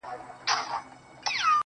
o اوس يې څنگه ښه له ياده وباسم.